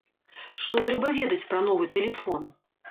Што трэба ведаць пра новы тэлефон?